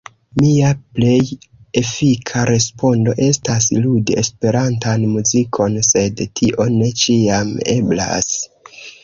Mia plej efika respondo estas ludi Esperantan muzikon, sed tio ne ĉiam eblas.